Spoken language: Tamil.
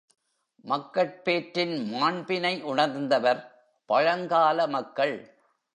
மக்கட் பேற்றின் மாண்பினை உணர்ந்தவர் பழங்கால மக்கள்.